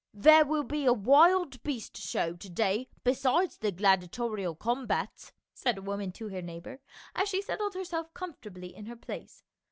" There will be a wild beast show to day besides the gladiatorial combats," said a woman to her neigh bor, as she settled herself comfortably in her place.